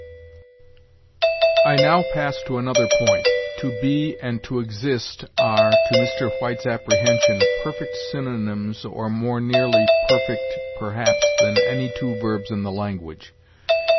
"I now pass to another point. 'To be and to exist are,' to Mr. White's apprehension, 'perfect synonyms, or more nearly perfect, perhaps, than any two verbs in the language.